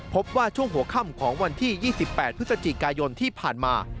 พบว่าช่วงหัวค่ำของวันที่๒๘พฤศจิกายนที่ผ่านมา